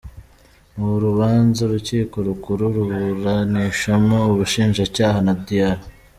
Mu rubanza Urukiko Rukuru ruburanishamo Ubushinjacyaha na Dr.